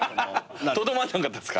とどまんなかったっすか。